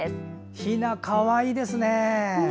ひな、かわいいですね。